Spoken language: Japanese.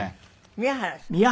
宮原さん。